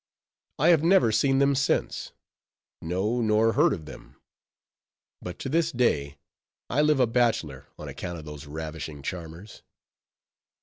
I have never seen them since: no, nor heard of them; but to this day I live a bachelor on account of those ravishing charmers.